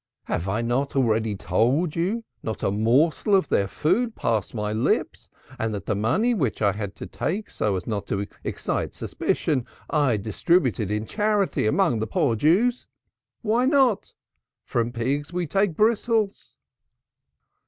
Have I not already told you not a morsel of their food passed my lips and that the money which I had to take so as not to excite suspicion I distributed in charity among the poor Jews? Why not? From pigs we take bristles."